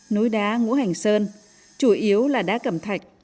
núi đá ngũ hành sơn chủ yếu là đá cầm thạch